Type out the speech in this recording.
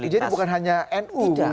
jadi bukan hanya nu gitu ya